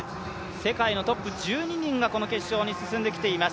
世界のトップ１２人がこの決勝に進んできています。